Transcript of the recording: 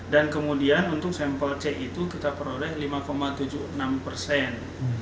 dan kemudian untuk sampel c itu kita peroleh lima tujuh puluh enam persen